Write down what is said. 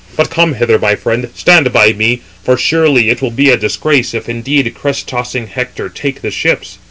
But come hither, my friend, stand by me; for surely it will be a disgrace if indeed crest tossing Hector take the ships."